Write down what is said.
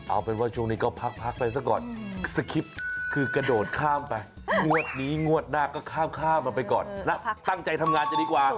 เอาเป็นว่าช่วงนี้ก็พักไปซะก่อนสคริปต์คือกระโดดข้ามไปงวดนี้งวดหน้าก็ข้ามมันไปก่อนแล้วตั้งใจทำงานจะดีกว่า